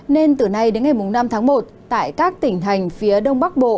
nên từ nay đến ngày năm tháng một tại các tỉnh thành phía đông bắc bộ